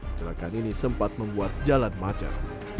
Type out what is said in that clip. kecelakaan ini sempat membuat jalan macet